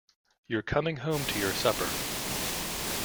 You're coming home to your supper.